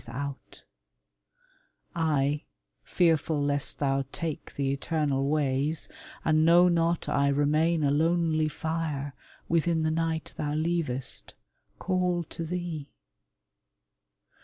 52 TASSO TO LEONORA I, fearful lest thou take the eternal ways And know not I remain a lonely fire Within the night thou leavest, call to thee.